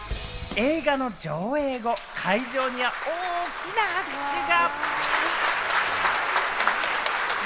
映画の上映後、会場には大きな拍手が！